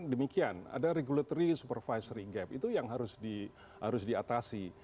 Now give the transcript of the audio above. demikian ada regulatory supervisory gap itu yang harus diatasi